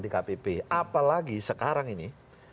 di kpp apalagi sekarang ini